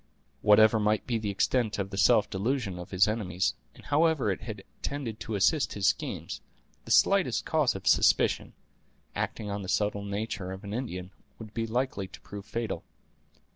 Whatever might be the extent of the self delusion of his enemies, and however it had tended to assist his schemes, the slightest cause of suspicion, acting on the subtle nature of an Indian, would be likely to prove fatal.